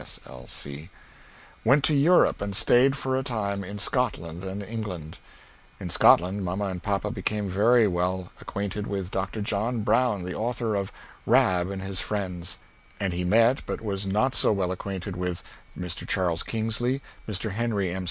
S. L. C.] went to Europe and stayed for a time in Scotland and England. In Scotland mamma and papa became very well equanted with Dr. John Brown, the author of "Rab and His Friends," and he mett, but was not so well equanted with, Mr. Charles Kingsley, Mr. Henry M.